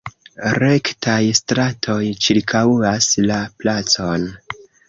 Rektaj stratoj ĉirkaŭas la placon.